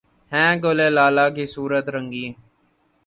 ہیں گل لالہ کی صورت رنگیں